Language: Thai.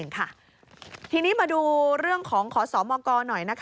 ทีนี้มาดูเรื่องของขอสมกหน่อย